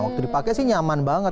waktu dipakai sih nyaman banget